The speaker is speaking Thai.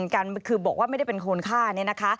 กันคือบอกว่าไม่ได้เป็นคนฆ่าเนี่ยนะคะ